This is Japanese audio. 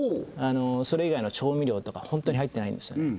それ以外の調味料とかホントに入ってないんですよね